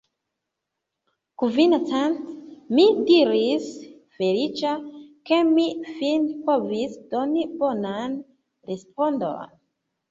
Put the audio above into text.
Kvin cent! mi diris, feliĉa, ke mi fine povis doni bonan respondon.